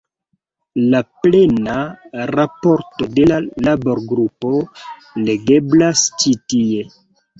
La plena raporto de la laborgrupo legeblas ĉi tie.